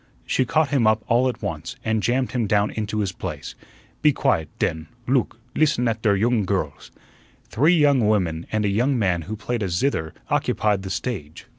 She caught him up all at once, and jammed him down into his place. "Be quiet, den; loog; listun at der yunge girls." Three young women and a young man who played a zither occupied the stage.